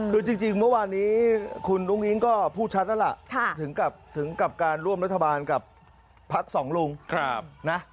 คือจริงเมื่อวานนี้คุณอุ้งอิงก็พูดชัดแล้วล่ะถึงกับการร่วมรัฐบาลกับพักสองลุงนะ